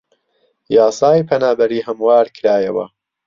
یاسای پەنابەری هەموار کرایەوە